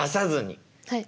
はい。